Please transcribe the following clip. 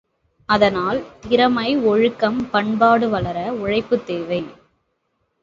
அதனால் திறமை, ஒழுக்கம், பண்பாடு வளர உழைப்பு தேவை!